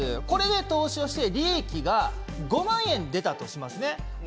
投資をして利益が５万円出たとしますね。